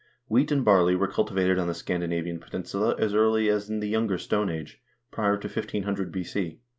Wheat and barley were cultivated on the Scandinavian peninsula as early as in the Younger Stone Age, prior to 1500 B.C.